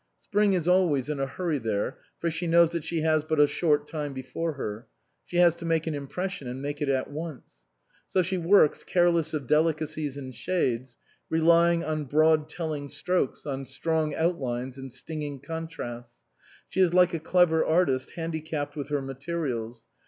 Spring is always in a hurry there, for she knows that she has but a short time before her ; she has to make an impression and make it at once ; so she works careless of delicacies and shades, relying on broad telling strokes, on strong out lines and stinging contrasts. She is like a clever artist handicapped with her materials.